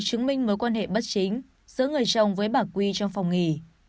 bà t đã chụp ảnh làm chứng minh mối quan hệ bất chính giữa người chồng với bà quy trong phòng nghỉ